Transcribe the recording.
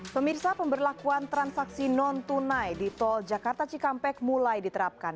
pemirsa pemberlakuan transaksi non tunai di tol jakarta cikampek mulai diterapkan